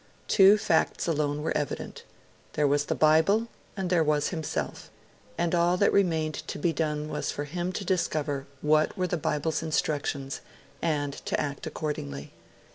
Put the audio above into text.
Two facts alone were evident: there was the Bible, and there was himself; and all that remained to be done was for him to discover what were the Bible's instructions, and to act accordingly.